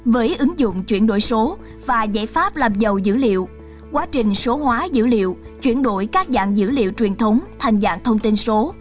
với ứng dụng chuyển đổi số và giải pháp làm giàu dữ liệu quá trình số hóa dữ liệu chuyển đổi các dạng dữ liệu truyền thống thành dạng thông tin số